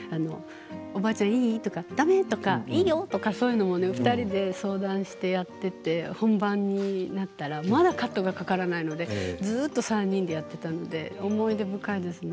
おばあちゃんいい？だめ？とか、いいよというの２人で相談してやっていて本番になったらまだカットがかからないのでずっと３人でやっていたので思い出深いですね。